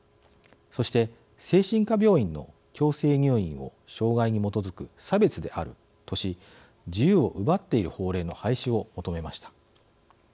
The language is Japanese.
そして、精神科病院の強制入院を障害に基づく差別であるとし自由を奪っている法令の廃止を求めました。